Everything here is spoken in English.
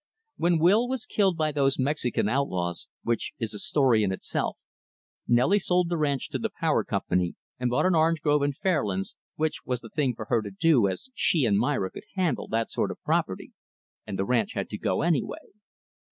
"When Will was killed by those Mexican outlaws, which is a story in itself, Nelly sold the ranch to the Power Company, and bought an orange grove in Fairlands which was the thing for her to do, as she and Myra could handle that sort of property, and the ranch had to go, anyway.